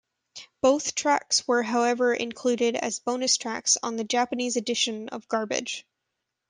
Both tracks were however included as bonus tracks on the Japanese edition of "Garbage".